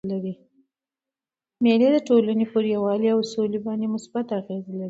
مېلې د ټولني پر یووالي او سولي باندي مثبت اغېز لري.